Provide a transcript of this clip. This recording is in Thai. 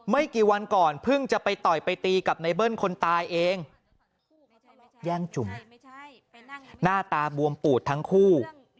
ไม่กี่วันก่อนเพิ่งจะไปต่อยไปตีกับไนเบิ้ลคนตายเองแย่งจุ่มหน้าตาบวมปูดทั้งคู่